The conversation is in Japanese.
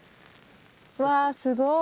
うわすごい！